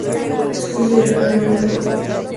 Es considerado el loco del grupo.